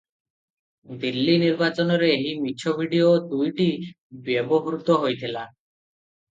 ଦିଲ୍ଲୀ ନିର୍ବାଚନରେ ଏହି ମିଛ ଭିଡ଼ିଓ ଦୁଇଟି ବ୍ୟବହୃତ ହୋଇଥିଲା ।